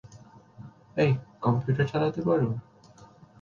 Computer চালাতে পারো?